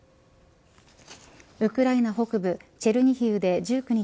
ウクライナ北部チェルニヒウで１９日